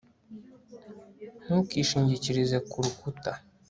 ntukishingikirize kurukuta